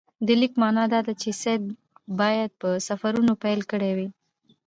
د لیک معنی دا ده چې سید باید په سفرونو پیل کړی وي.